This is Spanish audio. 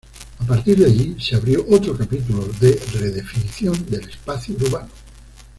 A partir de allí, se abrió otro capítulo de redefinición del espacio urbano.